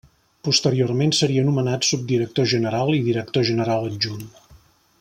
Posteriorment seria nomenat subdirector general i director general adjunt.